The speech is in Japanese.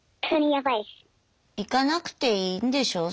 行かなくていいんでしょう？